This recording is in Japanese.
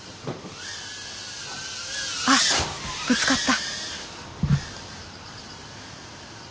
あっぶつかった。